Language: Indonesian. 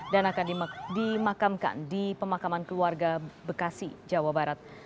dan akan dimakamkan di pemakaman keluarga bekasi jawa barat